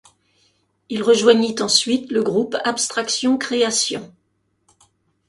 Il rejoignit ensuite le groupe Abstraction-Création.